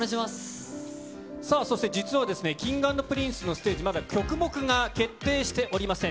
さあ、そして実は、Ｋｉｎｇ＆Ｐｒｉｎｃｅのステージ、まだ曲目が決定しておりません。